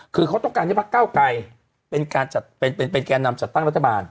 คือเขาต้องการให้ภักดิ์เก้าไกรเป็นแกนนำจัดตั้งรัฐบาล